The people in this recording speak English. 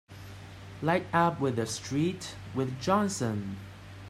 Light up with the street with Johnson!